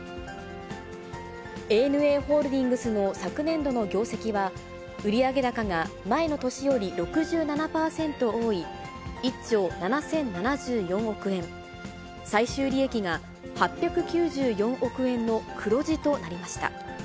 ＡＮＡホールディングスの昨年度の業績は、売上高が前の年より６７％多い１兆７０７４億円、最終利益が８９４億円の黒字となりました。